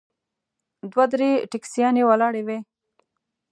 دوه درې ټیکسیانې ولاړې وې.